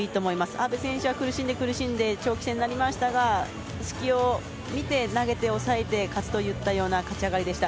阿部選手は苦しんで長期戦になりましたが隙を見て、投げて、抑えて勝つといったような勝ち上がりでした。